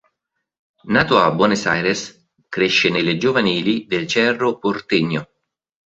Nato a Buenos Aires, cresce nelle giovanili del Cerro Porteño.